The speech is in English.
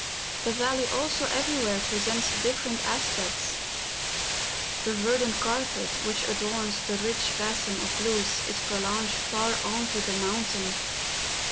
The valley also everywhere presents different aspects. The verdant carpet, which adorns the rich basin of Luz, is prolonged far on to the mountain.